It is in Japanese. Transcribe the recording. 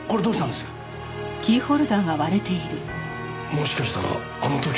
もしかしたらあの時。